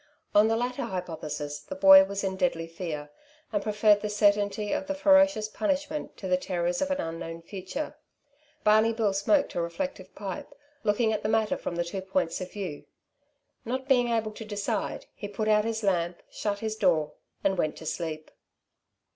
On the latter hypothesis, the boy was in deadly fear, and preferred the certainty of the ferocious punishment to the terrors of an unknown future. Barney Bill smoked a reflective pipe, looking at the matter from the two points of view. Not being able to decide, he put out his lamp, shut his door and went to sleep.